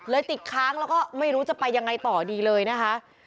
ติดค้างแล้วก็ไม่รู้จะไปยังไงต่อดีเลยนะคะ